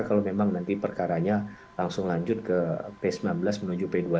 kalau memang nanti perkaranya langsung lanjut ke p sembilan belas menuju p dua puluh satu